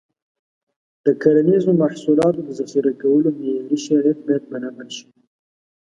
د کرنیزو محصولاتو د ذخیره کولو معیاري شرایط باید برابر شي.